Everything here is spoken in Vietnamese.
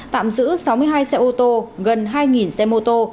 tạm giữ sáu mươi hai xe ô tô gần hai xe mô tô